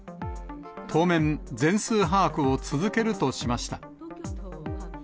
当面、全数把握を続けるとしました。